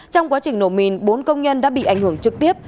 trong quá trình nổ mìn bốn công nhân đã bị ảnh hưởng trực tiếp